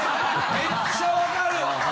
めっちゃ分かる！